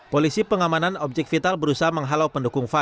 polisi pengamanan objek vital berusaha menghalau pendukungnya